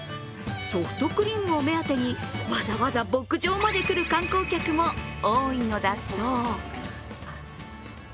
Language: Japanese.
ソフトクリームを目当てにわざわざ牧場まで来る観光客も多いのだそう。